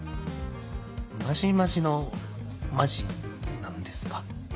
マジマジのマジなんですか？